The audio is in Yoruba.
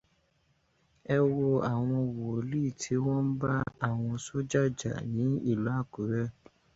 Ẹ wo àwọn wòlíì tí wọn ń bá àwọn sọ́jà jà ní ìlú Àkúrẹ́